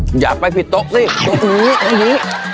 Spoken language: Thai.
เฮ้อยากไปผิดโต๊ะสิ